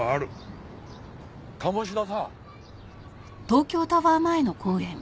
鴨志田さん！